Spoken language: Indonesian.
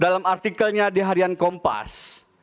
dalam artikelnya di harian kompas